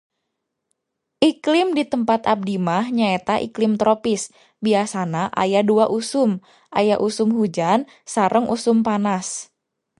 Iklim di tempat abdimah nyaeta iklim tropis, biasana aya dua usum, aya usum hujan sareng usum panas